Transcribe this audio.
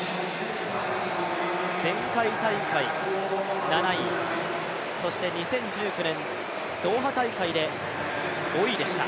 前回大会７位、そして２０１９年、ドーハ大会で５位でした。